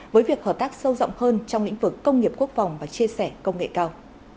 với việc hợp tác sâu rộng hơn trong lĩnh vực công nghiệp quốc phòng và chia sẻ công nghệ cao